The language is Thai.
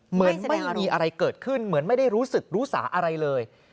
เหมือนไม่มีอะไรเกิดขึ้นเหมือนไม่ได้รู้สึกรู้สาอะไรเลย